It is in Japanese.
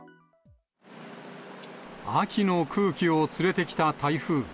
秋の空気を連れてきた台風。